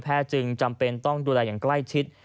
จึงจำเป็นต้องดูแลอย่างใกล้ชิด